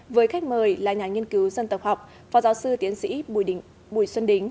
với khách mời là nhà nghiên cứu dân tộc học phó giáo sư tiến sĩ bùi xuân đính